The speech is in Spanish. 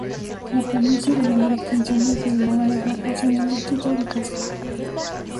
La planicie de mayor extensión es la de Vacas, en el distrito de Casca.